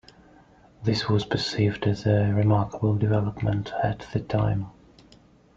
This was perceived as a remarkable development at the time.